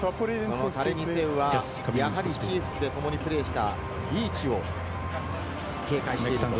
タレニ・セウはやはりチーフスでともにプレーしたリーチを警戒している。